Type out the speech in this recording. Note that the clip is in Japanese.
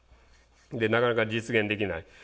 なかなか実現できない。